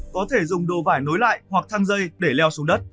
có thể dùng đồ vải nối lại hoặc thang dây để leo xuống đất